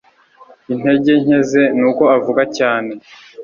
Intege nke ze nuko avuga cyane